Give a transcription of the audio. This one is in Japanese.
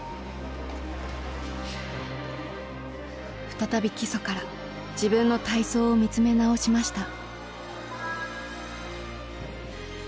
再び基礎から自分の体操を見つめ直しました。